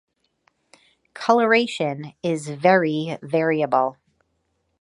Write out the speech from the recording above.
Coloration is very variable.